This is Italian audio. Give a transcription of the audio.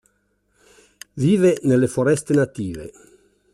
Vive nelle foreste native.